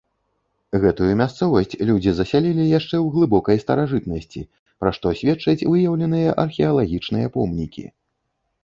Гэтую мясцовасць людзі засялілі яшчэ ў глыбокай старажытнасці, пра што сведчаць выяўленыя археалагічныя помнікі.